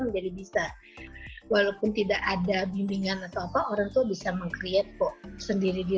menjadi bisa walaupun tidak ada bimbingan atau apa orangtua bisa meng create kok sendiri di